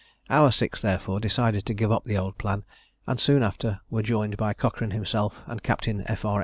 Our six therefore decided to give up the old plan, and soon after were joined by Cochrane himself and Captain F. R.